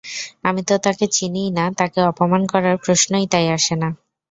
আমি তো তাঁকে চিনিই না, তাঁকে অপমান করার প্রশ্নই তাই আসে না।